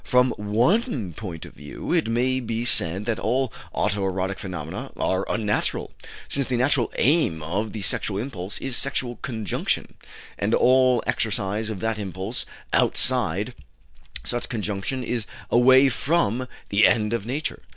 From one point of view it may be said that all auto erotic phenomena are unnatural, since the natural aim of the sexual impulse is sexual conjunction, and all exercise of that impulse outside such conjunction is away from the end of Nature.